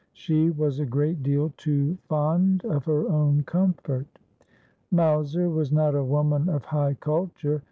She was a great deal too fond of her own comfort. 206 Aspliodel. Mowser was not a woman of high culture.